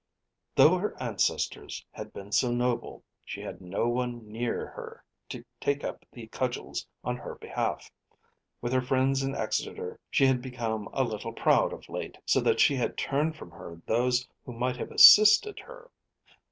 Though her ancestors had been so noble, she had no one near her to take up the cudgels on her behalf. With her friends in Exeter she had become a little proud of late, so that she had turned from her those who might have assisted her.